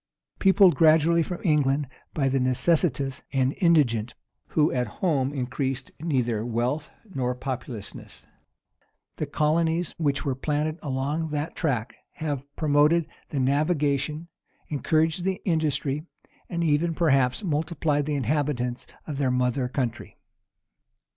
Peopled gradually from England by the necessitous and indigent, who at home increased neither wealth nor populousness, the colonies which were planted along that tract have promoted the navigation, encouraged the industry, and even perhaps multiplied the inhabitants of their mother country.